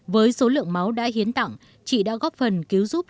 với số lượng máu đã hiến tặng chị đã góp phần cứu giúp